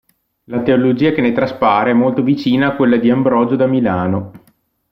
La teologia che ne traspare è molto vicina a quella di Ambrogio da Milano.